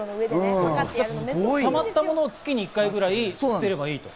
溜まったものを月１回ぐらい捨てればいいと。